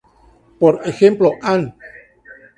Por ejemplo, "An.